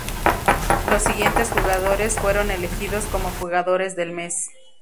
Los siguientes jugadores fueron elegidos como jugadores del mes.